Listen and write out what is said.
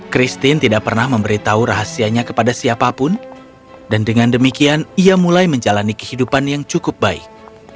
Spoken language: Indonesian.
christine tidak pernah memberitahu rahasianya kepada siapapun dan dengan demikian ia mulai menjalani kehidupan yang cukup baik